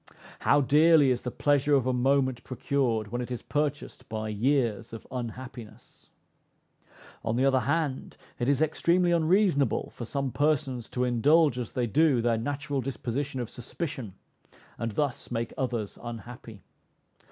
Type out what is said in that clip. How dearly is the pleasure of a moment procured when it is purchased by years of unhappiness! On the other hand, it is extremely unreasonable for some persons to indulge as they do, their natural disposition of suspicion, and thus make others unhappy.